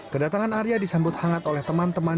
kedatangan arya disambut hangat oleh teman teman